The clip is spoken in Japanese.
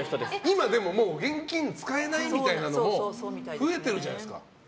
今、でも現金使えないみたいなところも増えてるじゃないですか。